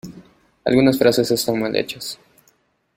Algunas frases están mal hechas.